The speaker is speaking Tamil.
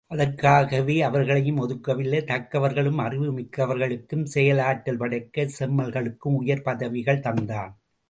அதற்காகவே அவர்களையும் ஒதுக்கவில்லை தக்கவர்களுக்கும், அறிவு மிக்கவர்களுக்கும் செயலாற்றல் படைத்த செம்மல்களுக்கும் உயர் பதவிகள் தந்தான்.